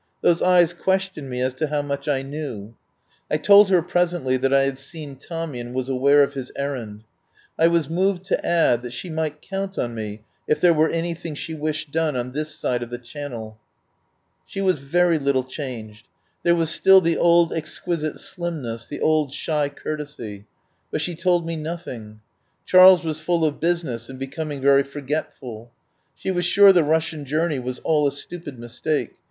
Those eyes questioned me as to how much I knew. I told her presently that I had seen Tommy and was aware of his errand. I was moved to add that she might count on me if there were anything she wished done on this side of the Channel. She was very little changed. There was still the old exquisite slimness, the old shy courtesy. But she told me nothing. Charles was full of business and becoming very for getful. She was sure the Russian journey was all a stupid mistake.